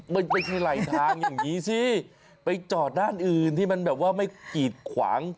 มันไม่ใช่ไหลทางอย่างนี้สิไปจอดด้านอื่นที่มันแบบว่าไม่กีดขวาง